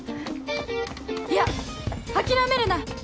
いや諦めるな！